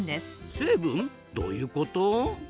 成分？どういうこと？